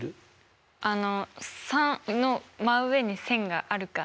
あの３の真上に線があるかないか。